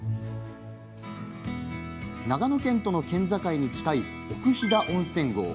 長野県との県境に近い奥飛騨温泉郷。